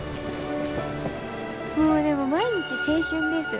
もうでも毎日青春です。